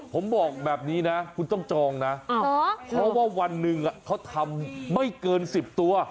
ผมบอกแบบนี้นะคุณต้องจองนะเพราะว่าวันหนึ่งเขาทำไม่เกิน๑๐ตัว